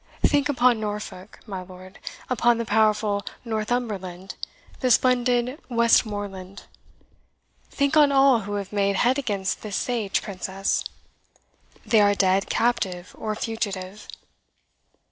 Think upon Norfolk, my lord upon the powerful Northumberland the splendid Westmoreland; think on all who have made head against this sage Princess. They are dead, captive, or fugitive.